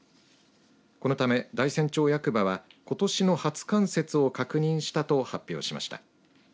このため、大山町役場はことしの初冠雪を確認したと発表しました。